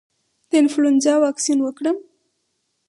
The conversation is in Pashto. د انفلونزا واکسین وکړم؟